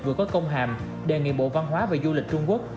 vừa có công hàm đề nghị bộ văn hóa và du lịch trung quốc